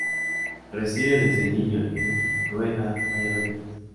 Reside desde niño en Rueda, Valladolid.